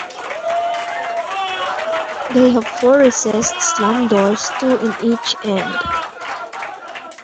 They have four recessed slam doors, two in each end.